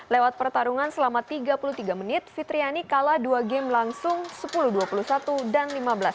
lewat pertarungan selama tiga puluh tiga menit fitriani kalah dua game langsung sepuluh dua puluh satu dan lima belas dua puluh